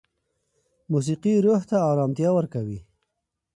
موسیقي روح ته ارامتیا ورکوي.